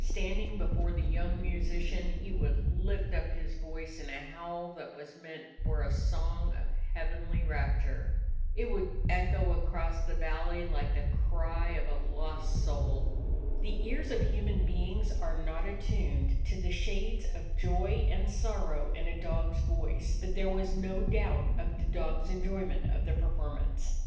Standing before the young musician he would lift up his voice in a howl that was meant for a song of heav enly rapture. It would echo across the valley 64 A DOG OF THE ETTRICK HILLS like the cry of a lost soul. The ears of human beings are not attuned to the shades of joy and sorrow in a dog's voice, but there was no doubt of the dog's enjoyment of the perform ance.